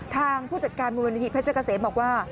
ทางผู้จัดการมูลนิธิแพทยกเซมบอกว่า